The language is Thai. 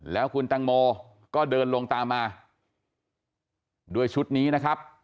แล้วคุณตังโมก็เดินลงตามมาด้วยชุดนี้นะครับ